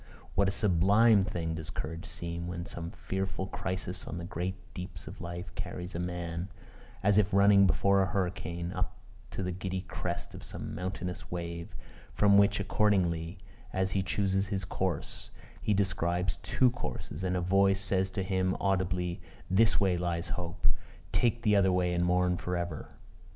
what a sublime thing does courage seem, when some fearful crisis on the great deeps of life carries a man, as if running before a hurricane, up to the giddy crest of some mountainous wave, from which accordingly as he chooses his course, he describes two courses, and a voice says to him audibly, "This way lies hope; take the other way and mourn for ever!"